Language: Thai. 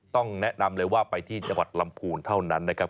ต้องแนะนำเลยว่าไปที่จังหวัดลำพูนเท่านั้นนะครับ